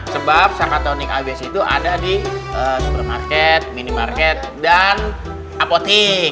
sebab sakatonik abc itu ada di supermarket minimarket dan apotek